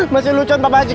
masih lucuan bapak asik